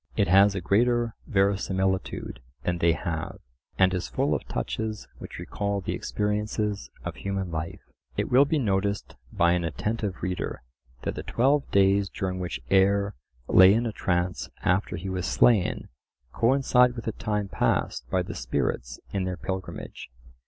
It has a greater verisimilitude than they have, and is full of touches which recall the experiences of human life. It will be noticed by an attentive reader that the twelve days during which Er lay in a trance after he was slain coincide with the time passed by the spirits in their pilgrimage.